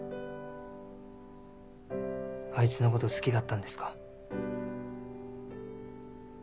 あいつのこと好きだったんですか？